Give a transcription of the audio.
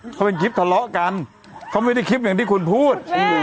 เขาเป็นคลิปทะเลาะกันเขาไม่ได้คลิปอย่างที่คุณพูด